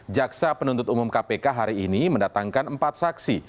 jaksa penuntut umum kpk hari ini mendatangkan empat saksi